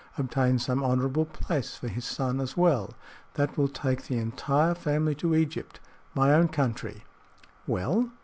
Obtain some honorable place for his son as well. That will take the entire family to Egypt my own country." "Well?"